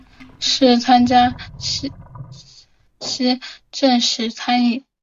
官至陕西布政使参议。